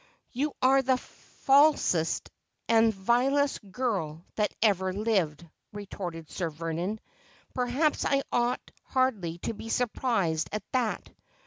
'You are the falsest and the vilest girl that ever lived,' retorted Sir Vernon. ' Perhaps I ought hardly to be surprised at that.